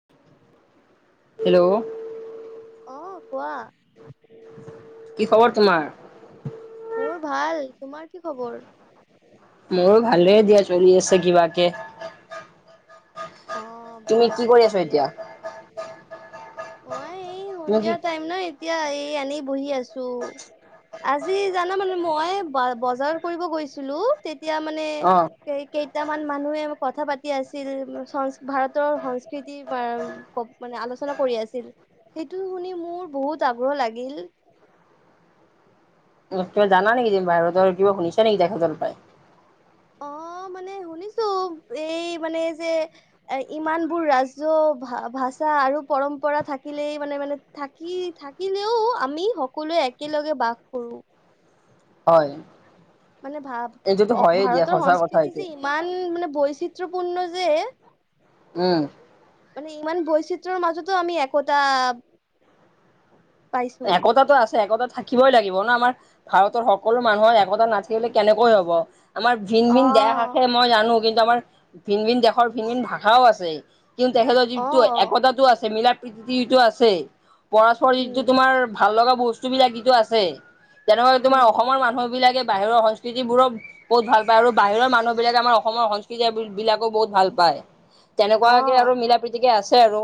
[inaudible] Hello অ' কোৱা। কি খবৰ তোমাৰ? মোৰ ভাল। তোমাৰ কি খবৰ? মোৰো ভালে দিয়া, চলি আছে কিবাকে। অ'। তুমি ভাল কি কৰি আছা দিয়া। এতিয়া? মই এই তুমি কি সন্ধিয়া টাইম ন এতিয়া, এই আনি বহি আছো। আজি জানা মানে মই বজাৰত কৰিব গৈছিলো, তেতিয়া মানে। অ' কেইটামান মানুহে কথা পাতি আছিল, ভাৰতৰ সংস্কৃতি বা। মানে আলোচনা কৰি আছিল সেইটো শুনি মোৰ বহুত আগ্ৰহ লাগিল। কিবা জানা নেকি ভাৰতৰ? কিবা শুনিছা নেকি তেখেতৰ পাই? অ' মানে শুনিছো এই মানে যে। ইমানবোৰ ৰাজ্য ভাষা আৰু পৰম্পৰা থাকিলেই মানে মানে থাকি থাকিলেও আমি সকলোৱে একেলগে বাস কৰো। হয়। মানে ভা এইটোতো হয়ে দিয়া ভাৰতৰ সঁচা কথা সংস্কৃতি এইটো যে ইমান মানে বৈচিত্ৰয়পূৰ্ণ যে উম। মানে ইমান বৈচিত্ৰৰ মাজতো আমি একতা পাইছো একতাতো আছে একতা থা কিবই লাগিব ন আমাৰ ভাৰতৰ সকলো মানুহৰ একতা নাথাকিলে কেনেকৈ হ'ব আমাৰ ভিন অ ভিন দেশ আছে মই জানো কিন্তু আমাৰ ভিন ভিন দেশৰ ভিন ভিন ভাষাও আছে কিন্তু তেখেতৰ অ যিটো একতাটো আছে মিলা প্ৰীতি যিটো আছে পৰস্পৰৰ যিটো উম তোমাৰ ভাল লগা বস্তু বিলাক ইটো আছে তেনেকুৱা তোমাৰ উম অসমৰ মানুহ বিলাকে বাহিৰৰ সং স্কৃতি বোৰো বহুত ভাল পায় আৰু বাহিৰৰ মানুহ বিলাকে আমাৰ অসমৰ সংস্কৃতি বিলাকেও বহুত ভাল পায়। অ তেনেকুৱাকে আৰু মিলা প্ৰীতিকে আছে আৰু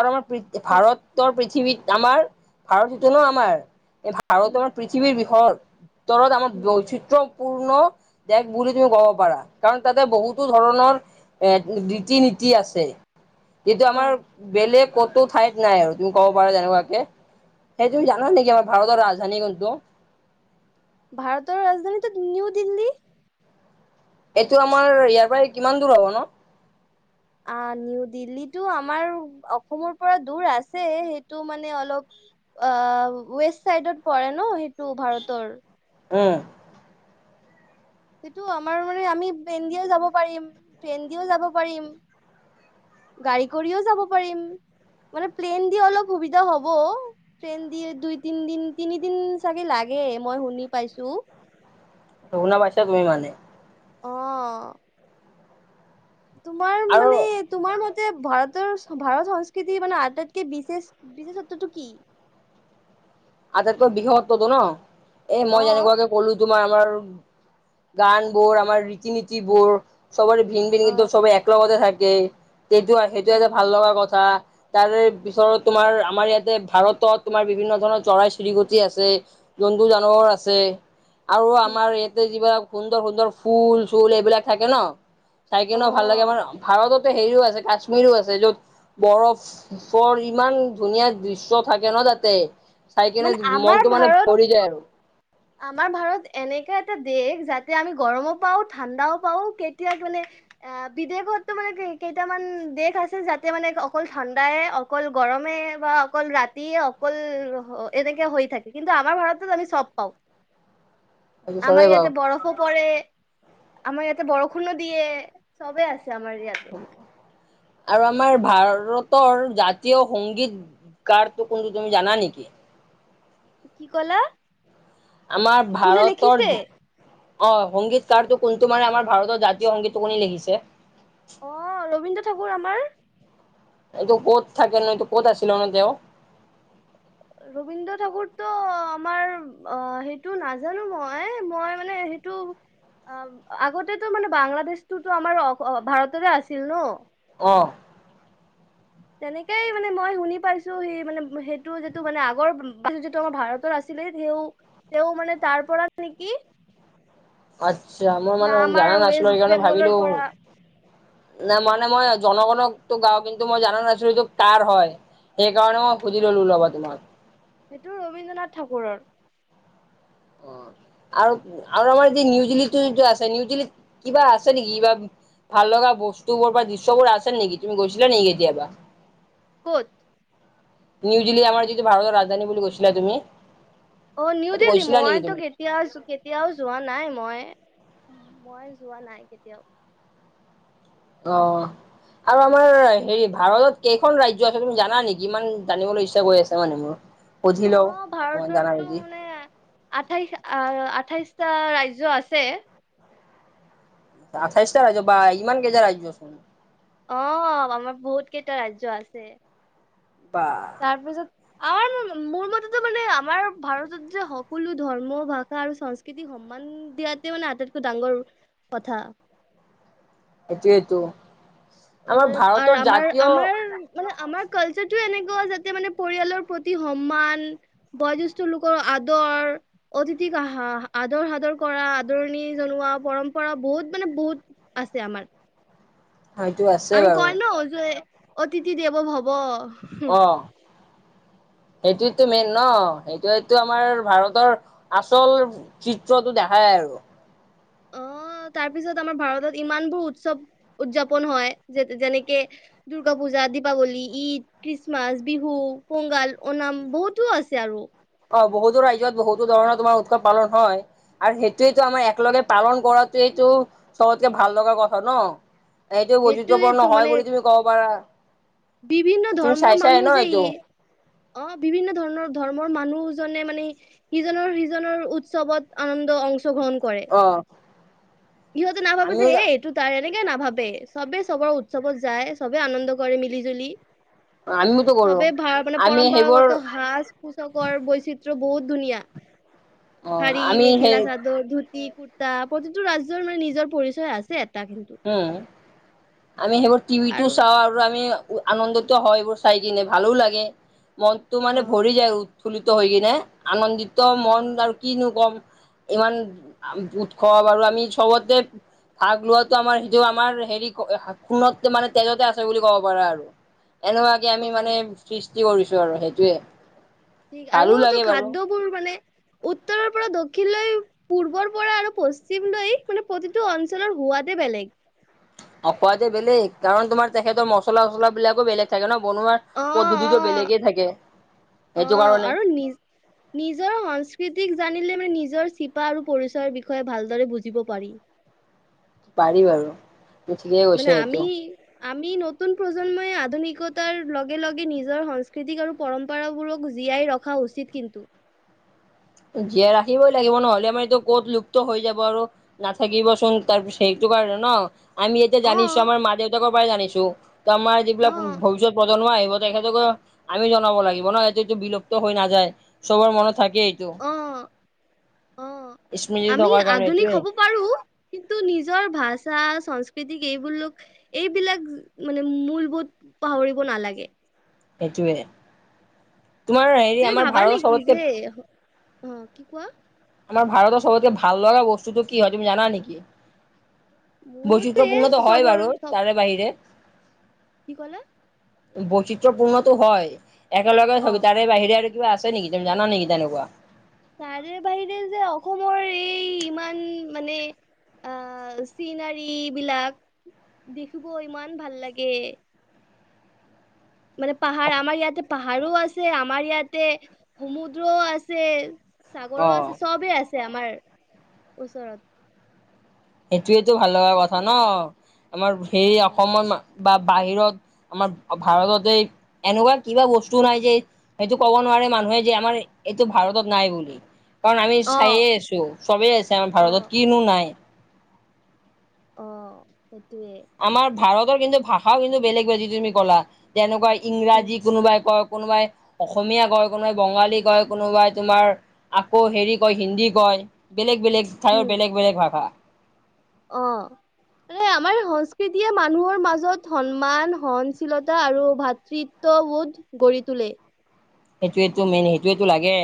আৰু আমাৰ ঠিক ভাৰতৰ পৃথিৱীত আমাৰ ভাৰতটো ন আমাৰ এই ভাৰত উম আমাৰ পৃথিৱীৰ বিষৰ উত্তৰত আমাৰ উম বৈচি এ পূৰ্ণ দেশ বুলি তুমি ক'ব পাৰা। কাৰণ তাতে বহুতো ধৰণৰ এক ৰীতি নীতি আছে। এইটো অ আমাৰ বেলেগ কতো ঠাইত নাই আৰু তুমি ক'ব পাৰা যেনেকুৱাকে এইটো উম জানা নেকি? আমাৰ ভাৰতৰ ৰাজধানী কোনটো? ভাৰতৰ ৰাজধানীতো নিউ দিল্লী। এইটো আমাৰ ইয়াৰ পৰা কিমান দূৰ হব ন? আহ নিউ দিল্লীটো আমাৰ অসমৰ পৰা দূৰ আছে। সেইটো মানে অলপ আ ৱেষ্ট চাইডত পৰে ন সেইটো ভাৰতৰ। উম সেইটো আমাৰ মানে, আমি প্লেইন দিওঁ যাব পাৰিম, ট্ৰেইন দিওঁ যাব পাৰিম। গাড়ী কৰিও যাব পাৰিম। মানে প্লেইন দি অলপ সুবিধা হ'ব ট্ৰেইন দি দুই, তিন দিন তিনিদিন চাগে লাগে মই শুনি পাইছো। অ শুনা পাইছা তুমি মানে? অঁ তোমাৰ আৰু মানে তোমাৰ মতে ভাৰতৰ ভাৰত সংস্কৃতিৰ মানে আটাইতকে বিশেষ বিশেষত্বটো কি? আটাইতকৈ বৃহত্বটো ন এ মই অ যেনেকুৱাকে কলো তোমাৰ আমাৰ গান বোৰ আমাৰ ৰীতি নীতিবোৰ চবৰে ভিন ভিন অ কিন্তু চবেই একেলগতে থাকে সেইটো সেইটো অ এটা ভাল লগা কথা। তাৰে পিছত তোমাৰ আমাৰ ইয়াতে ভাৰতত তোমাৰ বিভিন্ন ধৰণৰ চৰাই চিৰিকটি আছে, জন্তু জানৱৰ আছে আৰু ঠিক আমাৰ ইয়াতে যিবিলাক সুন্দৰ সুন্দৰ ফুল চুল এইবিলাক থাকে ন? চাই অ'। কিনেও ভাল লাগে। আমাৰ ভাৰতত হেৰিও আছে কাশ্মীৰো আছে য'ত বৰফ ফৰ ইমান ধুনীয়া দৃশ্য থাকে ন তাতে। চাইকেনে মানে আমাৰ মনটো মানে ভাৰত ভৰি যায় আৰু। আমাৰ ভাৰত এনেকা এটা দেশ যাতে আমি গৰমো পাওঁ ঠাণ্ডাও পাওঁ কেতিয়া মানে অ বিদেশতো মানে কেইটামান দেশ আছে, যাতে মানে অকল ঠাণ্ডাই অকল গৰমে বা অকল ৰাতিয়ে অকল অ এনেকে হৈ থাকে। কিন্তু আমাৰ ভাৰতত আমি চব পাওঁ। চৰে আমাৰ বাও ইয়াতে বৰফো পৰে। আমাৰ ইয়াতে বৰষুণো দিয়ে চবেই আছে আমাৰ ইয়াত। আৰু আমাৰ ভাৰতৰ জাতীয় সংগীত কাৰটো কোন কোন জানা নেকি? কি ক'লা? আমাৰ কোনে লিখিছে ভাৰতৰ অ', সংগীতকাৰো কোন তোমাৰ আমাৰ ভাৰতৰ জাতীয় সংগীতটো কোনে লিখিছে? অ', ৰবীন্দ্ৰ ঠাকুৰ আমাৰ। এইটো ক'ত থাকেনো এইটো ক'ত আছিলেনো তেওঁ? ৰবীন্দ্ৰ ঠাকুৰতো আমাৰ অ', সেইটো নাজানো মই মই মানে সেইটো অ', আগতেটো মানে বাংলাদেশটোতো আমাৰ ভাৰতৰে আছিল ন। অ'। তেনেকেই মানে মই শুনি পাইছো সি মানে সেইটো যিটো মানে আগৰ যিটো আমাৰ ভাৰতৰ আছিল। [unintelligible] তেওঁ মানে তাৰ পৰা নেকি আচ্ছা মই মানে না আমাৰ জানা নাছিলো ৱেষ্ট সেইকাৰণে বেংগলৰ ভাবিলোঁ। পৰা না মানে মই জন গণতো গাও কিন্তু মই জানা নাছিলো এইটো তাৰ হয়। সেইকাৰণে মই সুধি ল'লো লগত তোমাক। সেইটো ৰবীন্দ্ৰ নাথ ঠাকুৰৰ। অ'। আৰু আৰু আমাৰ কি নিউ দিল্লীটো আছে নিউ দিল্লীত কিবা আছে নেকি? ভাল লগা বস্তুবোৰ বা দৃশ্যবোৰ আছে নেকি তুমি গৈছিলা নেকি কেতিয়াবা? ক'ত? নিউ দিল্লী আমাৰ যিটো ভাৰতৰ ৰাজধানী বুলি কৈছিলা তুমি। অ', নিউ সেইটো দিল্লীত গৈছিলা নেকি মইতো তুমি? কেতিয়াও কেতিয়াও যোৱা নাই মই মই যোৱা নাই কেতিয়াও। অ'। আৰু আমাৰ হেৰি ভাৰতত কেইখন ৰাজ্য আছে তুমি জানা নেকি ইমান জানিবলৈ ইচ্ছা গৈ আছা মানে মোৰ। সুধি লওঁ অ', অকমান জানা ভাৰতটো যদি মানে আঠাইশ আহ আঠাইশটা ৰাজ্য আছে। আঠাইছটা ৰাজ্য বা ইমান কেইটা ৰাজ্য। অ', আমাৰ বহুত কেইটা ৰাজ্য আছে। বা! তাৰপিছত আৰু মোৰ মতেতো মানে আমাৰ ভাৰতত যে সকলো ধৰ্ম, ভাষা আৰু সংস্কৃতি সন্মান দিয়াতে মানে আটাইতকৈ ডাঙৰ কথা। এইটোয়েটো, আমাৰ আৰু ভাৰতৰ আমাৰ জাতীয় আমাৰ মানে আমাৰ কালচাৰটো এনেকুৱা যাতে মানে পৰিয়ালৰ প্ৰতি সন্মান বয়োজ্যেষ্ঠ লোকৰ আদৰ। অতিথিক হা আদৰ সাদৰ কৰা আদৰণি জনোৱা পৰম্পৰা বহুত মানে বহুত আছে আমাৰ। হয়টো আছ আৰু কয় ন যে অতিথি দেৱ ভব। অ', সেইটোতো মেইন ন সেই এ এইটো আমাৰ ভাৰতৰ আচল চিত্ৰটো দেখাই আৰু। অ', তাৰপিছত আমাৰ ভাৰতত ইমানবোৰ উৎসৱ উদৰ্যাপন হয় যে যেনেকে দুৰ্গা পূজা, দীপাৱলী, ঈদ। খ্ৰীষ্টমাচ, বিহু, পোংগাল, অনাম বহুতো আছে আৰু। অ বহুতো ৰাজ্যত বহুতো ধৰণৰ তোমাৰ উৎসৱ পালন হয়। আৰু সেইটোৱেইটো আমাৰ একেলগে পালন কৰাটোৱেইটো চবতকে ভাল লগা কথা ন? সেইটো বৈচত্ৰ্যপূৰ্ণ সেইটোয়েতো হয় মানে বুলি তুমি কব পাৰা। বিভিন্ন তুমি ধৰ্মৰ চাইছাই ন মানুহ যে এইটো ই অ বিভিন্ন ধৰণৰ ধৰ্মৰ মানুহজনে মানে সিজনৰ সিজনৰ উৎসৱত আনন্দ অং গ্ৰহণ কৰে, অ সিহঁতে নাভাবি আমিও যে এই এইটো তাৰ, এনেকে নাভাবে, সবে সবৰে উৎসৱত যায় সবেই আনন্দ কৰে মিলি জুলি। আমিওতো কৰো সবেই ভাৰ মানে আমি সেইবোৰ পৰম্পৰাগত হাঁজ পোছাকৰ বৈচিত্ৰ বহুত ধুনীয়া, অ শাৰী, আমি মেখেলা সেই চাদৰ, ধু ধূতি, কুৰ্তা প্ৰতিটো ৰাজ্যৰ মানে নিজৰ পৰিচয় আছে এটা কিন্তু। উম, আমি সেইবোৰ টিভিটো চাওঁ আৰু আমি আনন্দটো হয় এইবোৰ চাই কিনে ভালো লাগে, মনটো মানে অ', ভৰি যায় উ উৎফুল্লিত হৈ কিনে, আনন্দিত মন অ', আৰু কিনো কম। ইমান উৎসৱ আৰু আমি চবতে ভাগ লোৱাত আমাৰ সেইটো আমাৰ হেৰি সোণত মানে তেজতে আছে বুলি ক'ব পাৰা আৰু। এনকাকে আমি মানে অ', সৃষ্টি কৰিছো আৰু সেইটোৱে। আৰু তো খাদ্যবোৰ মানে উত্তৰৰ পৰা দক্ষিণলৈ পূৰ্বৰ পৰা আৰু পশ্চিমলৈ মানে প্ৰতিটো অঞ্চলৰ সুৱাদে বেলেগ। অ সোৱাদে বেলেগ কাৰণ তোমাৰ তেখেতৰ মছলা চছলা বিলাকো বেলেগ থাকে ন বনোৱাৰ অ', পদ্ধতিটো অ', বেলেগেই থাকে সেইটো অ', কাৰণেই। আৰু নিজ নিজৰ সংস্কৃতিক জানিলে মানে নিজৰ চিপা আৰু পৰিচয়ৰ বিষয়ে ভালদৰে বুজিব পাৰি। পাৰি বাৰু। ঠিকেই কৈছে মানে সেইটো আমি আমি নতুন প্ৰজন্মই আধুনিকতাৰ লগে লগে নিজৰ সংস্কৃতিক আৰু পৰম্পৰাবোৰক জীয়াই ৰখ ৰখা উচিত, কিন্তু। জীয়াই ৰাখিবই লাগিব নহলে আমাৰ এইটো ক'ত লুপ্ত হৈ যাব আৰু নাথাকিবচোন তাৰপিছত সেইটো কাৰণে ন। ' আমি এতিয়া অ জানিছো আমাৰ মা দেউতাকৰ পৰাই জানিছো। আমাৰ অ যিবিলাক ভৱিষ্যত প্ৰজন্ম আহিব তেখেতকো আমি জনাব লাগিব ন, এইটো টো বিলুপ্ত হৈ নাযায় সবৰ মনত থাকে এইটো। অ অ স্মৃতি আমি থকাৰ কাৰণে আধুনিক এইটোয়ে হ'ব পাৰো কিন্তু নিজৰ ভাষা সংস্কৃতিক এইবোৰ লোক এইবিলাক মানে মূলবোধ পাহৰিব নালাগে। সেইটোৱে, তোমাৰ হেৰি তুমি আমাৰ ভাবা ভাৰতৰ নেকি যে চবতকে অ' কি কোৱা? আমাৰ ভাৰতৰ চবতকে ভাল লগা বস্তুটো কি হয় তুমি জানা নেকি? মোৰতো এই বৈচিত্ৰপূৰ্ণটো হয় চবৰ বাৰু চব তাৰে বাহিৰে। কি ক'লা? বৈচিত্ৰপূৰ্ণতো হয় একেলগে অ থাকোঁ তাৰ তাৰে বাহিৰে আৰু কিবা আছে নেকি তুমি জানা নেকি তেনেকুৱা? তাৰে বাহিৰে যে অসমৰ এই ইমান মানে আ চিনাৰী বিলাক দেখিব ইমান ভাল লাগে। মানে পাহাৰ আমাৰ ইয়াতে পাহাৰো আছে আমাৰ ইয়াতে সমুদ্ৰও আছে। অ সাগৰো আছে চবেই আছে আমাৰ ওচৰত। সেইটোয়েটো ভাল লগা কথা ন' আমাৰ অ সেই অসমত বা বাহিৰত আমাৰ ভাৰততেই এনেকুৱা কিবা বস্তু নাই যে সেইটো ক'ব নোৱাৰে মানুহে যে আমাৰ এইটো ভাৰতত নাই বুলি। কাৰণ আমি অ চায়ে আছোঁ, চবেই আছে আমাৰ অ ভাৰতত কিনো নাই? অঁ সেইটোৱে। আমাৰ ভাৰতৰ কিন্তু ভাষাও কিন্তু বেলেগ বেলেগ যিটো তুমি ক'লা যেনেকুৱা উম ইংৰাজী কোনোবাই কয় কোনোবাই অসমীয়া কয়, কোনোবাই বঙালী কয়, কোনোবাই তোমাৰ আকৌ হেৰি কয় হিন্দী কয়। বেলেগ বেলেগ ঠাইয়ৰ বেলেগ বেলেগ ভাষা। অঁ এ আমাৰ সংস্কৃতিয়ে মানুহৰ মাজত সন্মান সহনশীলতা আৰু ভাতৃৃ ত্ববোধ গঢ়ি তোলে। সেইটোৱেটো মেইন সেইটোৱেটো লাগে।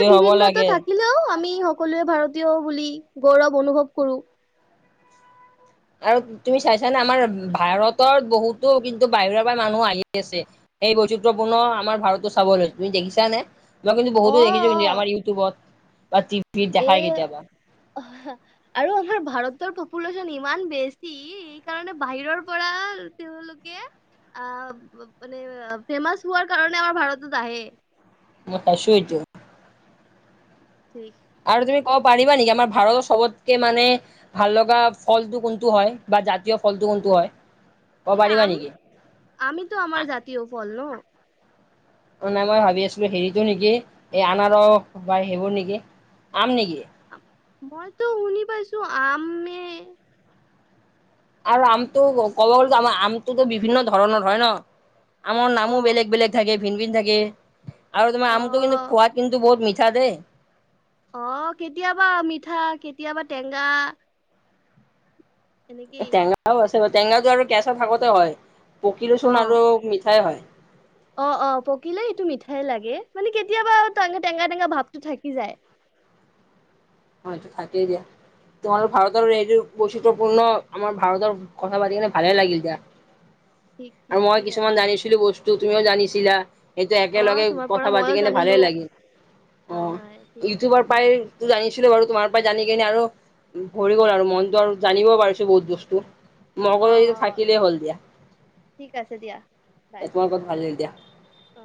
এ হ'ব বিভিন্নতা লাগে থাকিলেও আমি সকলোৱে ভাৰতীয় বুলি গৌৰৱ অনুভৱ কৰো। আৰু তুমি চাইছানে আমাৰ ভাৰতৰ বহুতো কিন্তু বাহিৰৰ পৰা মানুহ আহি আছে। এই বৈচিত্ৰপূৰ্ণ আমাৰ ভাৰতটো চাবলৈ তুমি দেখিছা নে? ম‌ই কিন্তু অ বহুতো দেখিছো কিন্তু অ ইউটিবত বা টি এ অহ আৰু আমাৰ ভাৰতৰ পপুলেশ্যন ইমান বেছি সেইকাৰণে বাহিৰৰ পৰা তেওঁলোকে অঁ মানে এ ফেমাচ হোৱাৰ কাৰণে আমাৰ ভাৰতত আহে। মই পাইছো এইটো। হু আৰু তুমি ক'ব পাৰিবা নেকি আমাৰ ভাৰতৰ চ'বতকে মানে ভাল লগা ফলটো কোনটো হয়, বা জাতীয় ফলটো কোনটো হয়, ক'ব পাৰিবা নেকি? আমেতো আমাৰ জাতীয় ফল ন'। ও, নাই মই ভাবি আছিলো হেৰিটো নেকি? এই আনাৰস বা সেইবোৰ নেকি, আম নেকি? মইতো শুনি পাইছো আমে আৰু আমটো ক'ব গ'লেটো আমাৰ আমটোতো বিভিন্ন ধৰণৰ হয় ন' আমৰ অ নামো বেলেগ বেলেগ থাকে ভিন ভিন থাকে, আৰু তোমাৰ অ আমটো কিন্তু সোৱাত কিন্তু বহুত মিঠা দেই। অঁ কেতিয়াবা মিঠা, কেতিয়াবা টেঙা এনেকেই টেঙাও আছে বা, টেঙাটো আৰু কেঁচা শাকতে হয় পকীলো চুন অ। আৰু মিঠাই হয়। অ' অ' পকিলে এইটো মিঠাই লাগে, মানে কেতিয়াবা ট টেঙা টেঙা ভাৱটো থাকি যায়। হয় থাকেইে দিয়া। তোমাৰ ভাৰতৰ এইটো বৈচিত্ৰয়পূৰ্ণ আমাৰ ভাৰতৰ কথা পাতি কেনে ভালে লাগিল দিয়া। ঠিক আৰু ঠিক মই ঠিক কিছুমান আছে। জানিছিলো বস্তু, তুমিও জানিছিলা। সেইটো অ', একেলগে তোমাৰ পৰা কথা পাতি ময়ো কেনে ভালে জানিলো। লাগিল, হয় অঁ হয় ঠিক আছে ইউটিউবৰ প্ৰাই দিয়া। জানি ছিলো বাৰু তোমাৰ পৰা জানি কিনি আৰু ভৰি গ'ল আৰু মনটো আৰু জানিবও পাৰিছো বহুত বস্তু ম ক'লো অ', যিহেতু অ', থাকিলেই হ'ল দিয়া ঠিক আছে দিয়া বাই। ইয়াত তোমাৰ লগত ভাল লাগিল দিয়া। অ'।